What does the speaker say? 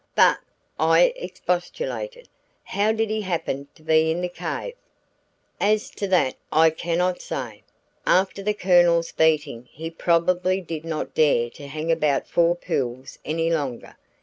'" "But," I expostulated, "how did he happen to be in the cave?" "As to that I cannot say. After the Colonel's beating he probably did not dare to hang about Four Pools any longer.